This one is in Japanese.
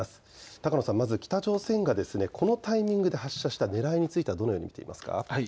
高野さん、まず北朝鮮がこのタイミングで発射したねらいについてはどのように見ていますか。